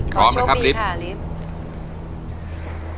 โชคดีค่ะลิฟต์